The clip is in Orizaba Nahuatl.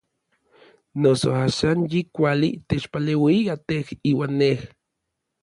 Noso axan yi kuali techpaleuia tej iuan nej.